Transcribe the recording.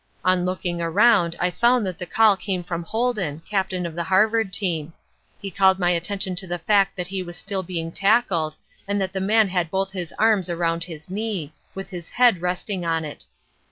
On looking around I found that the call came from Holden, Captain of the Harvard team. He called my attention to the fact that he was still being tackled and that the man had both his arms around his knee, with his head resting on it.